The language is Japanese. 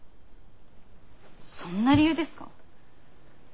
そんな理由ですか？